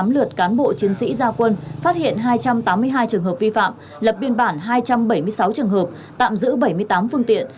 một mươi lượt cán bộ chiến sĩ gia quân phát hiện hai trăm tám mươi hai trường hợp vi phạm lập biên bản hai trăm bảy mươi sáu trường hợp tạm giữ bảy mươi tám phương tiện